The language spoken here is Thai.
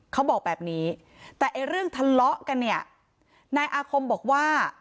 เขาบอกแบบนี้แต่ไอ้เรื่องทะเลาะกันเนี่ยนายอาคมบอกว่า